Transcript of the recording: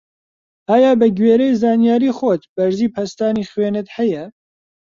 ئایا بە گوێرەی زانیاری خۆت بەرزی پەستانی خوێنت هەیە؟